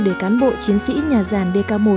để cán bộ chiến sĩ nhà giàn dk một